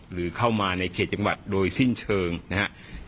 หรือเข้ามาในเขตจังหวัดโดยสิ้นเชิงนะครับ